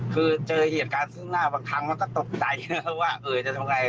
คือเจอเหตุการณ์ซึ่งหน้าบางครั้งมันก็ตกใจว่าจะทำไง